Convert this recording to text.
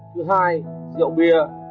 thứ hai rượu bia